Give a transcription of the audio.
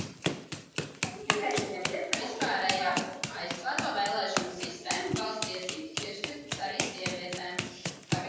Tika ieviesta vispārējā, aizklāto vēlēšanu sistēma, balss tiesības piešķirtas arī sievietēm.